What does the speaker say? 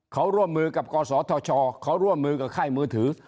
เขาร่วมมือกับกศธชเขาร่วมมือกับค่ายมือถือ